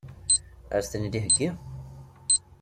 Ad as-ten-id-iheggi?